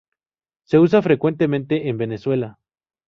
Se usa frecuentemente en Venezuela.